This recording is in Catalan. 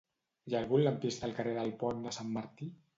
Hi ha algun lampista al carrer del Pont de Sant Martí?